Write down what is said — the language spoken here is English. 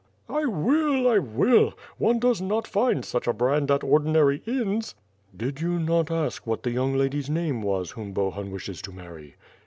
"I will! I will! one does not find such a brand at ordinary inns." "Did you not ask what the young lady^s name was whom Bohun wishes to marry."